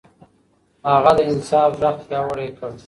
هغه د انصاف غږ پياوړی کړ.